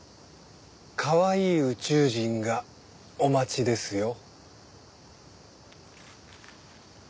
かわいい宇宙人がお待ちですよ。